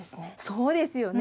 そうですよね。